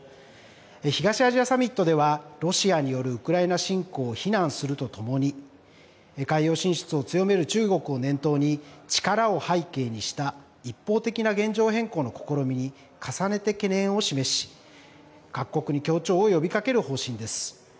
東アジアサミットではロシアによるウクライナ侵攻を非難するとともに海洋進出を強める中国を念頭に力を背景にした一方的な現状変更の試みに重ねて懸念を示し、各国に協調を呼びかける方針です。